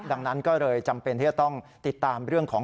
ดังนั้นก็เลยจำเป็นที่จะต้องติดตามเรื่องของ